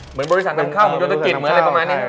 เหมือนบริษัทนำข้าวเหมือนยนตกิจอะไรประมาณนี้